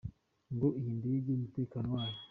Ngo iyi ndege umutekano wayo.